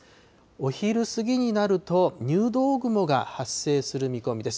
お昼過ぎになると、入道雲が発生する見込みです。